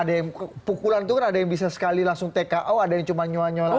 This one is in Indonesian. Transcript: ada yang pukulan itu kan ada yang bisa sekali langsung tko ada yang cuma nyonyolan